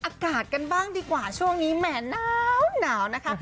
อากาศกันบ้างดีกว่าช่วงนี้แหมหนาวนะคะ